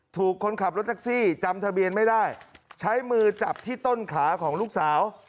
คนขับรถแท็กซี่จำทะเบียนไม่ได้ใช้มือจับที่ต้นขาของลูกสาว